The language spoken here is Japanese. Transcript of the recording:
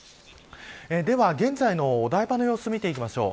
では現在のお台場の様子見ていきましょう。